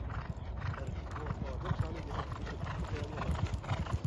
ھەرگىزمۇ ئادەم سانى جەھەتتىكى كۆپلۈككە تايانمىغان.